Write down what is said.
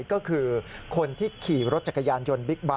ก็คือคนที่ขี่รถจักรยานยนต์บิ๊กไบท